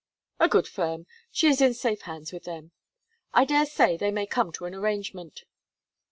'A good firm. She is in safe hands with them. I dare say they may come to an arrangement.'